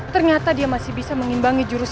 ternyata dia masih bisa mengimbangi jurus